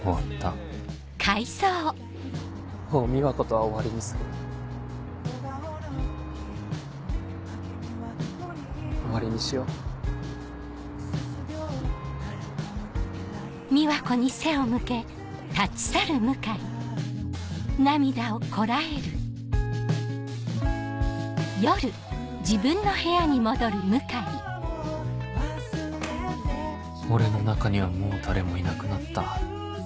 もう美和子とは終わりにする終わりにしよう俺の中にはもう誰もいなくなった